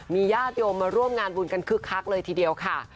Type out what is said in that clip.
ญาติโยมมาร่วมงานบุญกันคึกคักเลยทีเดียวค่ะ